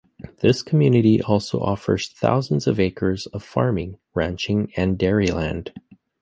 This community also offers thousands of acres of farming, ranching, and dairy land.